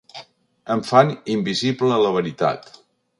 Em fan invisible la veritat.